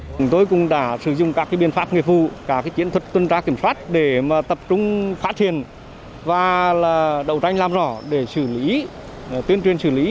chúng tôi cũng đã sử dụng các biên pháp nghề phu các kiến thuật tuân trá kiểm soát để tập trung phát triển và đậu tranh làm rõ để xử lý tuyên truyền xử lý